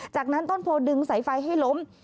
จากนั้นต้นโพดึงสายไฟให้ล้ม